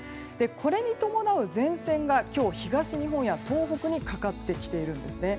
これに伴う前線が今日、東日本や東北にかかってきているんです。